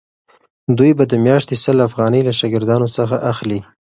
دوی به د میاشتې سل افغانۍ له شاګردانو څخه اخلي.